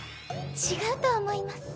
違うと思います。